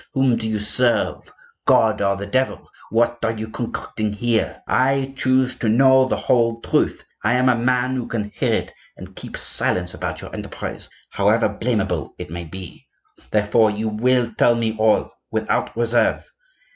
Whom do you serve,—God or the devil? What are you concocting here? I choose to know the whole truth; I am a man who can hear it and keep silence about your enterprise, however blamable it maybe. Therefore you will tell me all, without reserve.